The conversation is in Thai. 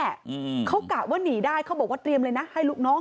อืมเขากะว่าหนีได้เขาบอกว่าเตรียมเลยนะให้ลูกน้อง